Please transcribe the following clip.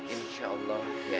insya allah o'i trai'i